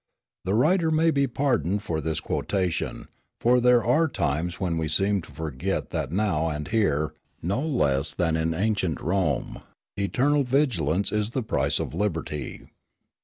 The writer may be pardoned for this quotation; for there are times when we seem to forget that now and here, no less than in ancient Rome, "eternal vigilance is the price of liberty."